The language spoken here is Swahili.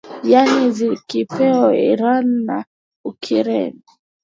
yaani zikiwemo ireland na ugiriki